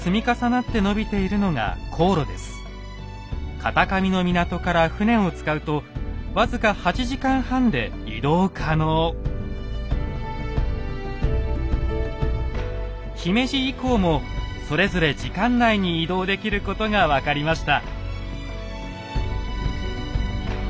片上の港から船を使うと僅か姫路以降もそれぞれ時間内に移動できることが分かりました。